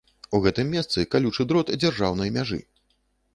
У гэтым месцы калючы дрот дзяржаўнай мяжы.